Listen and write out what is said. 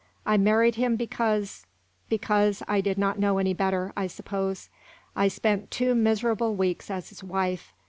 I married him because because I did not know any better, I suppose. I spent two miserable weeks as his wife.